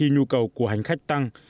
nhu cầu của hành khách tăng